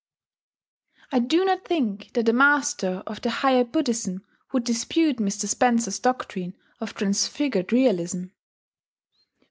I do not think that a master of the higher Buddhism would dispute Mr. Spencer's doctrine of Transfigured Realism.